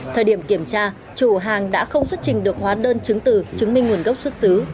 thời điểm kiểm tra chủ hàng đã không xuất trình được hóa đơn chứng từ chứng minh nguồn gốc xuất xứ